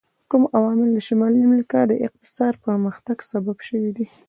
کوم عوامل د شمالي امریکا د اقتصادي پرمختګ سبب شوي دي؟